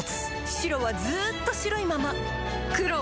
黒はずっと黒いまま